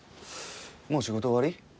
もう仕事終わり？